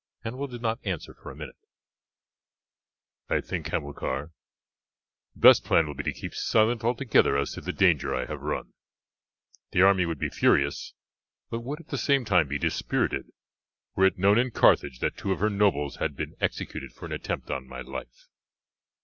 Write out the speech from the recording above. Hannibal did not answer for a minute. "I think, Hamilcar, the best plan will be to keep silent altogether as to the danger I have run. The army would be furious but would at the same time be dispirited were it known in Carthage that two of her nobles had been executed for an attempt on my life.